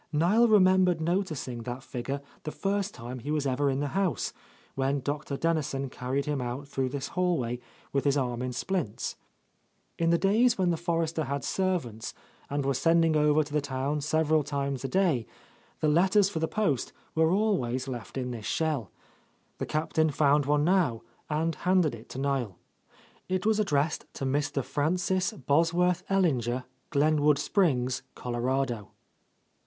Niel remembered noticing that figure the first time he was ever in the house, when Dr. Dennison carried him out through this hallway with his arm in splints. In the days when the Forresters had servants and were sending over to ~n?— A Lost Lady the town several times a day, the letters for the post were always left in this shell. The Captain found one now, and handed it to Niel. It was addressed to Mr. Francis Bosworth Ellinger, Glenwood Springs, Colorado.